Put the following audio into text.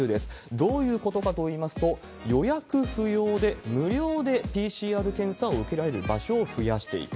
どういうことかといいますと、予約不要で、無料でＰＣＲ検査を受けられる場所を増やしていく。